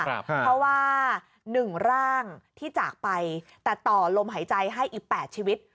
เพราะว่า๑ร่างที่จากไปแต่ต่อลมหายใจให้อีก๘ชีวิต